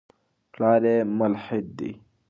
پلار یې ملحد دی.